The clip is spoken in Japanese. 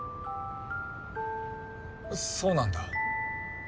そうなんだ。